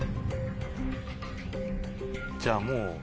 じゃあもう。